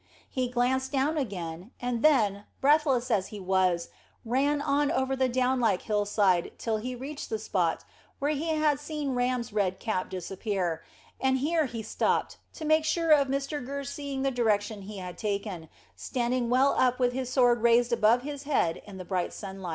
He glanced down again, and then, breathless as he was, ran on over the down like hillside till he reached the spot where he had seen Ram's red cap disappear, and here he stopped, to make sure of Mr Gurr seeing the direction he had taken, standing well up with his sword raised above his head in the bright sunshine.